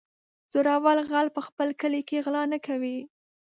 زورور غل په خپل کلي کې غلا نه کوي.